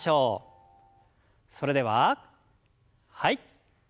それでははい。